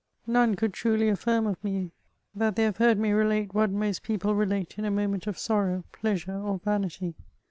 None could truly affirm of me that they have heard me relate what most people relate in a moment of sorrow, pleasure, or vanity.